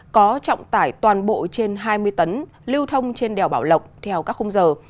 có trọng tải toàn bộ trên hai mươi tấn lưu thông trên đèo bảo lộc theo các khung giờ